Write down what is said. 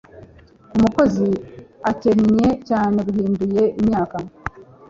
Umukozi ukennye cyane yahinduye imyaka